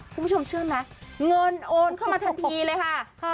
คุณผู้ชมเชื่อไหมเงินโอนเข้ามาทันทีเลยค่ะ